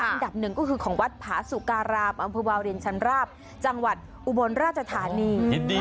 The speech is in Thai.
อันดับหนึ่งก็คือของวัดผาสุการามอำเภอวาลินชันราบจังหวัดอุบลราชธานี